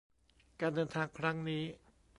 การเดินทางครั้งนี้